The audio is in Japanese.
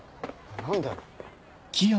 何だよ？